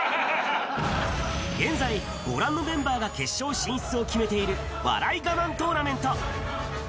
現在、ご覧のメンバーが決勝進出を決めている笑い我慢トーナメント。